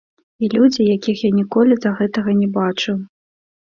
І людзі, якіх я ніколі да гэтага не бачыў.